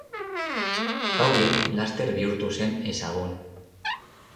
Pauli laster bihurtu zen ezagun.